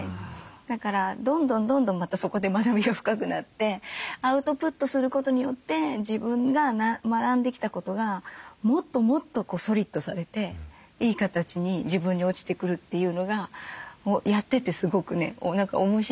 だからどんどんどんどんまたそこで学びが深くなってアウトプットすることによって自分が学んできたことがもっともっとソリッドされていい形に自分に落ちてくるというのがやっててすごくね面白いなと思います。